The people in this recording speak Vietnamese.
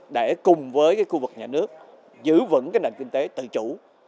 để cùng với cái khu vực nhà nước giữ vững cái nền kinh tế tự chủ